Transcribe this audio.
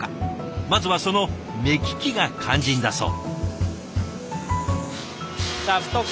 まずはその目利きが肝心だそう。